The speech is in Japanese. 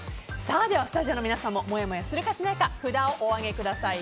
では、スタジオの皆さんももやもやするかしないか札をお上げください。